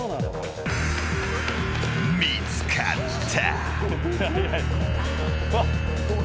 見つかった。